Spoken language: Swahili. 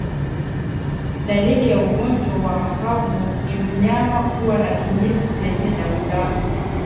Dalili ya ugonjwa wa mapafu ni mnyama kuwa na kinyesi chenye damudamu